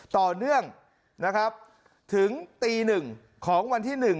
ต่อเนื่องถึงที่ตีหนึ่งของวันที่หนึ่ง